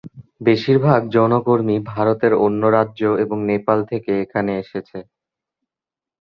বেশীরভাগ যৌনকর্মী ভারতের অন্য রাজ্য এবং নেপাল থেকে এখানে এসেছে।